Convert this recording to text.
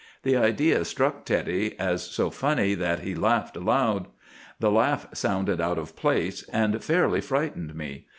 The idea struck Teddy as so funny that he laughed aloud. The laugh sounded out of place, and fairly frightened me.